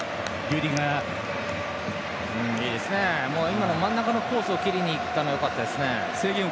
今の真ん中のコースを切りに行ったのはよかったですね。